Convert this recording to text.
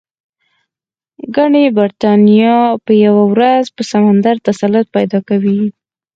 ګنې برېټانیا به یوه ورځ پر سمندر تسلط پیدا کوي.